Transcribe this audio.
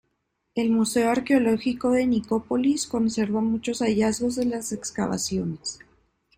El Museo Arqueológico de Nicópolis conserva muchos hallazgos de las excavaciones.